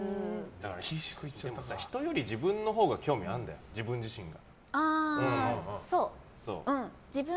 人より自分のほうが興味あるんだよ自分自身が。